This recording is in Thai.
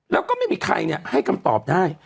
แล้วก็ไม่มีใครให้คำตอบได้